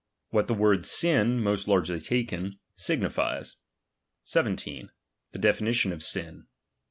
What the word sin, most largely taken, signifies. 17> The definilioD of sin.